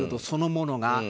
そのものが。